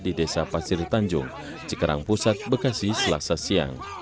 di desa pasir tanjung cikarang pusat bekasi selasa siang